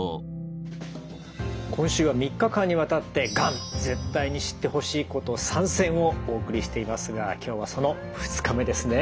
今週は３日間にわたって「がん絶対に知ってほしいこと３選」をお送りしていますが今日はその２日目ですね。